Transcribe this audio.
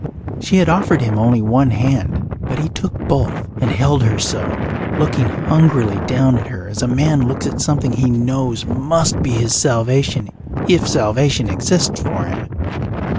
She had offered him only one hand but he took both and held her so, looking hungrily down at her as a man looks at something he knows must be his salvation if salvation exists for him.